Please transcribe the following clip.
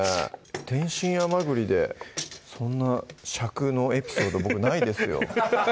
「天津甘栗」でそんな尺のエピソード僕ないですよ